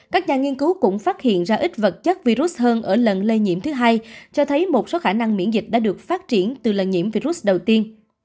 các nhà nghiên cứu cũng phát hiện ra ít vật chất virus hơn ở lần lây nhiễm thứ hai cho thấy một số khả năng miễn dịch đã được phát triển từ lần nhiễm virus đầu tiên